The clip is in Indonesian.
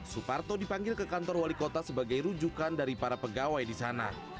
suparto dipanggil ke kantor wali kota sebagai rujukan dari para pegawai di sana